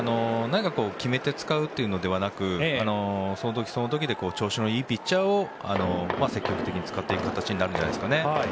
決めて使うのではなくその時その時で調子のいいピッチャーを積極的に使っていく形になるんじゃないですかね。